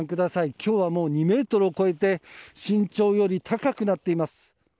今日はもう２ｍを超えて身長より高くなっています。